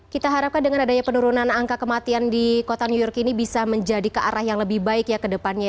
kita harapkan dengan adanya penurunan angka kematian di kota new york ini bisa menjadi kearah yang lebih baik ya ke depannya